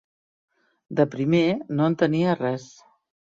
De primer no entenia res.